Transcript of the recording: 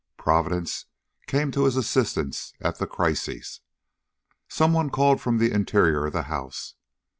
Providence came to his assistance at that crisis. Someone called from the interior of the house.